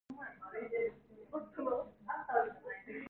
나무꾼은 코를 훌떡 들이마시며 손을 내밀었다.